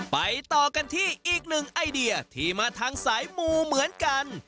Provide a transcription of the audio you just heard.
ไปต่อกันที่อีกหนึ่งไอเดียที่มาทางสายมูเหมือนกัน